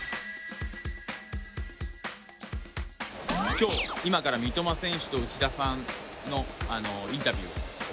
今日今から三笘選手と内田さんのインタビューを行います。